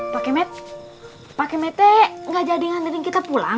pak kemet pak kemetnya gak jadi ngandungin kita pulang